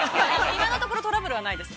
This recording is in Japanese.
◆今のところトラブルはないです。